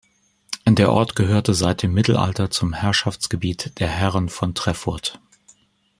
Der Ort gehörte seit dem Mittelalter zum Herrschaftsgebiet der "Herren von Treffurt".